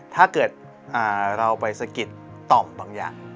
ถ้าเกิดเราไปสะกิดต่อมบางอย่าง